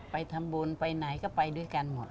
ไปทำบุญไปไหนก็ไปด้วยกันหมด